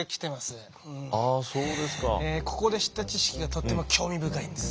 ここで知った知識がとっても興味深いんです。